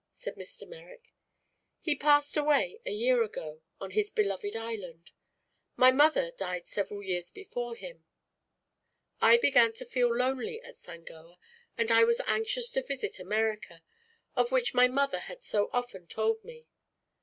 said Mr. Merrick. "He passed away a year ago, on his beloved island. My mother died several years before him. I began to feel lonely at Sangoa and I was anxious to visit America, of which my mother had so often told me.